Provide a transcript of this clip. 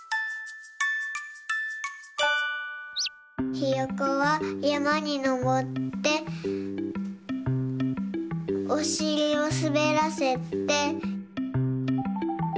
ひよこはやまにのぼっておしりをすべらせて。